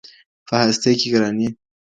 په هستۍ كي ګرانـي !